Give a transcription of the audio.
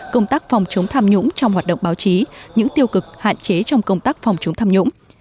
công tác phòng chống tham nhũng trong hoạt động báo chí những tiêu cực hạn chế trong công tác phòng chống tham nhũng